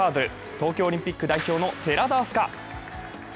東京オリンピック代表の寺田明日香。